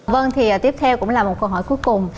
vâng thì tiếp theo cũng là một câu hỏi cuối cùng